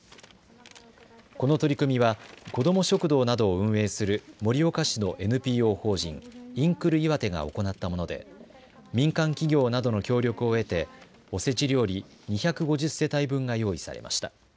この取り組みは子ども食堂などを運営する盛岡市のＮＰＯ法人インクルいわてが行ったもので民間企業などの協力を得ておせち料理２５０世帯分が用意されました。